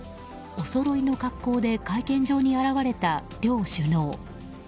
おそろいの格好で会見場に現れた両首脳。